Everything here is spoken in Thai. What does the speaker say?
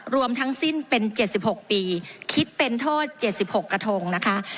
รวมทั้งสิ้นเป็นเจ็ดสิบหกปีคิดเป็นโทษเจ็ดสิบหกกระทงนะคะ